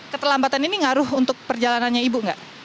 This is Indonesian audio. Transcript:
keterlambatan ini ngaruh untuk perjalanannya ibu nggak